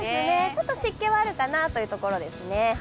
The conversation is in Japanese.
ちょっと湿気はあるかなというところですね。